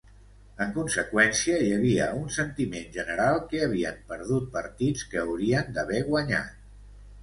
En conseqüència, hi havia un sentiment general que havien perdut partits que haurien d'haver guanyat.